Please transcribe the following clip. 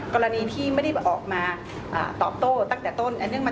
กรณีที่ไม่ได้ออกมาตอบโต้ตั้งแต่ต้น